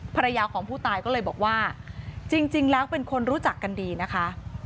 ภรรยาของผู้ตายก็เลยบอกว่าจริงแล้วเป็นคนรู้จักกันดีนะคะ